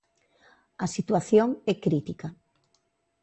A situación é crítica.